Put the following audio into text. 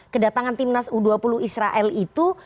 kedatangan timnas u dua puluh israel itu